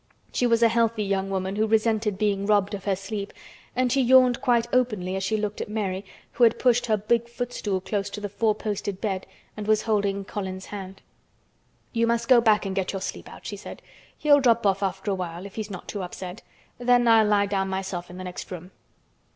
She was a healthy young woman who resented being robbed of her sleep and she yawned quite openly as she looked at Mary, who had pushed her big footstool close to the four posted bed and was holding Colin's hand. "You must go back and get your sleep out," she said. "He'll drop off after a while—if he's not too upset. Then I'll lie down myself in the next room."